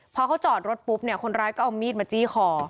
พอเขาจอดรถปุ๊บเนี่ยคนร้ายก็เอามีดมาจี้คอ